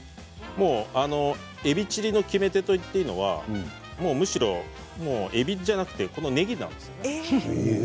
えびチリの決め手と言っていいのは、むしろえびじゃなくてこのねぎなんですね。